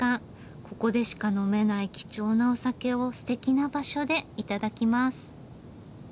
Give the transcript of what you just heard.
ここでしか呑めない貴重なお酒をすてきな場所で頂きます。